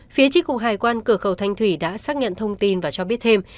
phía tri cục hải quan cửa khẩu thanh thủy đã xác nhận thông tin và cho biết thêm